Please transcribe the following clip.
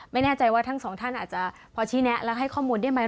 ไม่แน่ใจว่าทั้งสองท่านอาจจะพอชี้แนะแล้วให้ข้อมูลได้ไหม